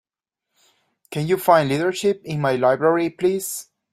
can you find Leadership in my library, please?